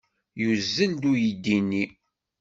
Yuzzel-d uydi-nni.